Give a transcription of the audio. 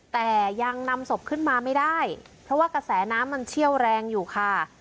แต่ยังนำศพขึ้นมาไม่ได้เพราะว่ากระแสน้ำมันเชี่ยวแรงอยู่ค่ะ